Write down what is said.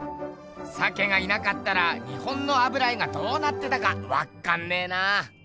鮭がいなかったら日本の油絵がどうなってたかわっかんねえな。